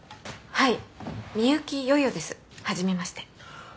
はい。